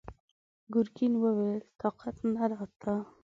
ګرګين وويل: طاقت نه راته!